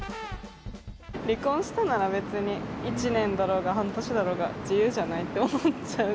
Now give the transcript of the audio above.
離婚したなら別に、１年だろうが、半年だろうが、自由じゃない？って思っちゃう。